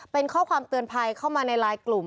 เป็นข้อความเตือนภัยเข้ามาในไลน์กลุ่ม